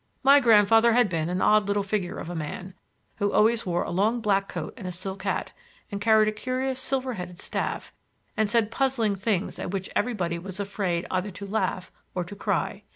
My grandfather had been an odd little figure of a man, who always wore a long black coat and a silk hat, and carried a curious silver headed staff, and said puzzling things at which everybody was afraid either to laugh or to cry.